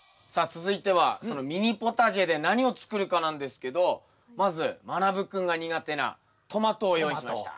続いてはそのミニポタジェで何を作るかなんですけどまずまなぶ君が苦手なトマトを用意しました。